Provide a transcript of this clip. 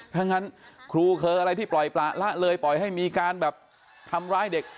ถ้างั้นครูเคยอะไรที่ปล่อยประละเลยปล่อยให้มีการแบบทำร้ายเด็ก